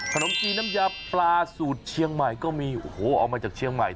ขนมจีนน้ำยาปลาสูตรเชียงใหม่ก็มีโอ้โหเอามาจากเชียงใหม่